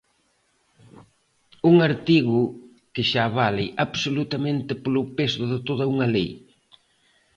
Un artigo que xa vale absolutamente polo peso de toda unha lei.